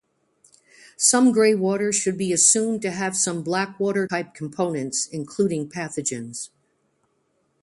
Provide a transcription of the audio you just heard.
Most greywater should be assumed to have some blackwater-type components, including pathogens.